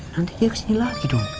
nanti dia kesini lagi dong